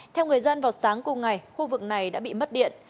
theo người dân vào sáng cùng ngày khu vực này đã bị mất điện